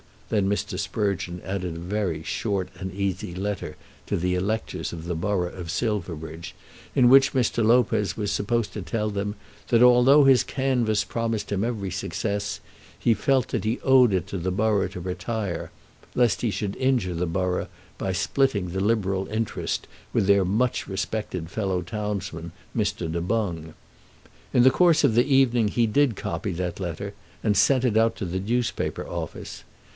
Then Mr. Sprugeon added a very "short and easy letter" to the electors of the borough of Silverbridge, in which Mr. Lopez was supposed to tell them that although his canvass promised to him every success, he felt that he owed it to the borough to retire, lest he should injure the borough by splitting the Liberal interest with their much respected fellow townsman, Mr. Du Boung. In the course of the evening he did copy that letter, and sent it out to the newspaper office.